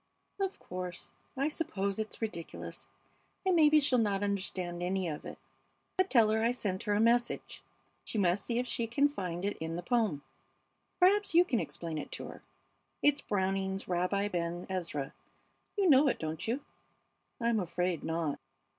"Of course, I suppose it is ridiculous! And maybe she'll not understand any of it; but tell her I sent her a message. She must see if she can find it in the poem. Perhaps you can explain it to her. It's Browning's 'Rabbi Ben Ezra.' You know it, don't you?" "I'm afraid not.